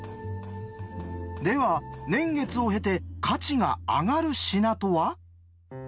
では年月を経て価値が上がる品とは？